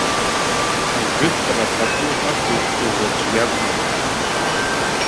Ажәытәра пату ақәызҵоз аӡәы иакәын.